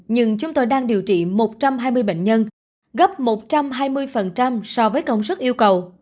nhưng chúng tôi đang điều trị một trăm hai mươi bệnh nhân gấp một trăm hai mươi so với công sức yêu cầu